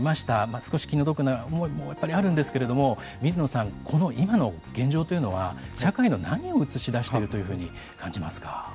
少し気の毒な思いもあるんですけれども水野さん、今の現状というのは社会の何を映し出しているというふうに感じますか。